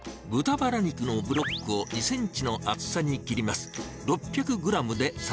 豚バラ肉のブロックを２センチの厚さに切ります。